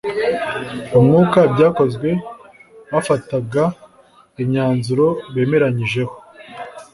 Umwuka ibyakozwe bafataga imyanzuro bemeranyijeho